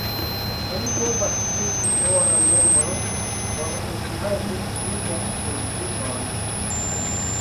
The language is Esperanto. Oni povas iĝi ora membro por ekhavi pli da funkcioj.